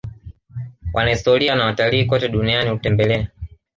wanahistoria na watalii kote duniani hutembelea